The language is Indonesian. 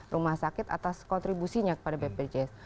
rumah sakit atas kontribusinya kepada bpjs